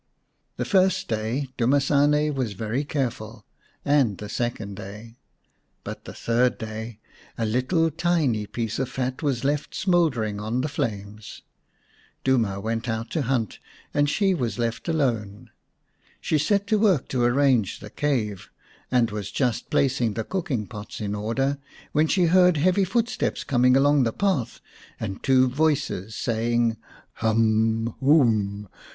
The first day Dumasane was very careful, and the second day. But the third day a little tiny 125 The Fairy Bird x piece of fat was left smouldering on the flames. Duma went out to hunt and she was left alone. She set to work to arrange the cave, and was just placing the cooking pots in order when she heard heavy footsteps coming along the path and two voices saying " Hum, hoom